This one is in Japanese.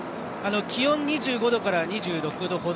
気温２５度から２６度ほど。